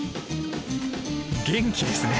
元気ですね。